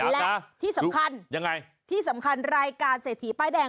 และที่สำคัญยังไงที่สำคัญรายการเศรษฐีป้ายแดง